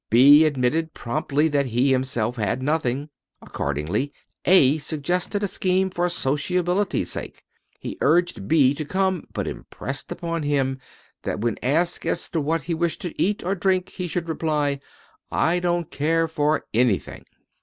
B admitted promptly that he himself had nothing. Accordingly, A suggested a scheme for sociability's sake. He urged B to come, but impressed upon him that when asked as to what he wished to eat or drink he should reply, "I don't care for anything."